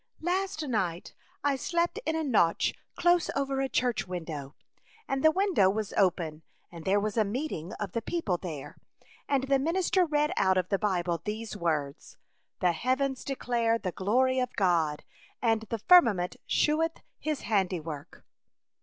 " Last night I slept in a notch close over a church window, and the window was open and there was a meeting of the people there and the minister read out of the Bible these words : A Chautauqua Idyl. ^^s ' The heavens declare the glory of God, and the firmament sheweth his handiwork.'